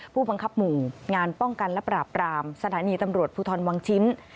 ผู้บังคับหมู่งานป้องกันและปราบรามสถานีตำรวจภูทรวังชิ้น